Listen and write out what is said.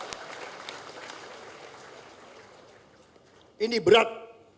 ini sangat berat